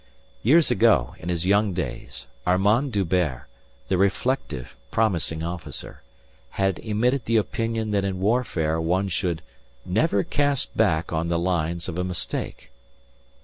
Years ago, in his young days, Armand D'Hubert, the reflective promising officer, had emitted the opinion that in warfare one should "never cast back on the lines of a mistake."